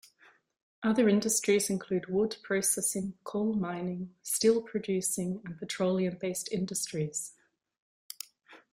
Other industries include wood processing, coal mining, steel producing, and petroleum-based industries.